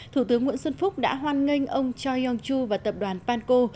thủ tướng nguyễn xuân phúc đã hoan nghênh ông choi yong choo và tập đoàn panko